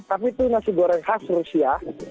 tapi itu nasi goreng khas rusia